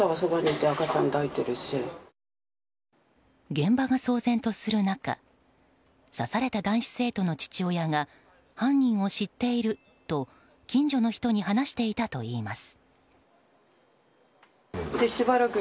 現場が騒然とする中刺された男子生徒の父親が犯人を知っていると近所の人に話していたといいます。